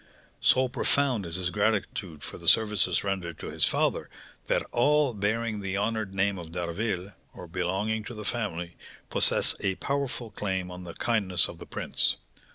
So profound is his gratitude for the services rendered to his father, that all bearing the honoured name of D'Harville, or belonging to the family, possess a powerful claim on the kindness of the prince.